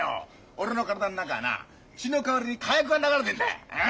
俺の体ん中はな血の代わりに火薬が流れてんだああ。